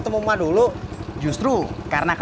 yang anak luar biasa